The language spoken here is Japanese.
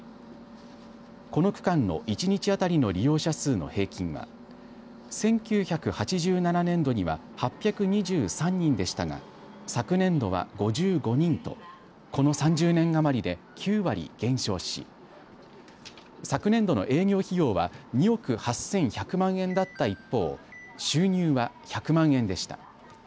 この区間の１日当たりの利用者数の平均は１９８７年度には８２３人でしたが昨年度は５５人とこの３０年余りで９割減少し昨年度の営業費用は２億８１００万円だった一方収入は１００万円でした。